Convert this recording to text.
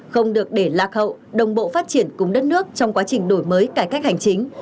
không được để lạc hậu đồng bộ phát triển cùng đất nước trong quá trình đổi mới cải cách hành chính